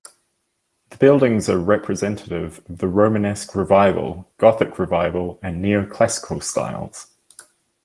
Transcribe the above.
The buildings are representative of the Romanesque Revival, Gothic Revival, and Neo-Classical styles.